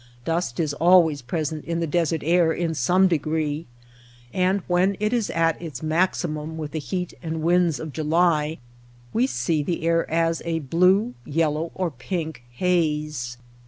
Dust is always present in the desert air in some degree, and when it is at its maximum with the heat and winds of July, we see the air as a blue, yellow, or pink haze.